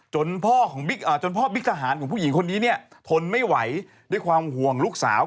จนพ่อบิ๊กทหารของผู้หญิงคนนี้เนี่ยทนไม่ไหวด้วยความห่วงลูกสาว